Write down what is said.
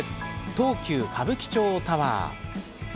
東急歌舞伎町タワー。